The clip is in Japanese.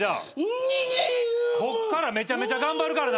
こっからめちゃめちゃ頑張るからな